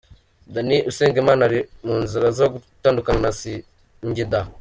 Danny Usengimana ari mu nzira zo gutandukana na Singida.